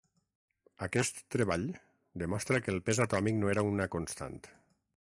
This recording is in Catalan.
Aquest treball demostra que el pes atòmic no era una constant.